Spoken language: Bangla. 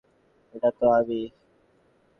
এটা তো আমি।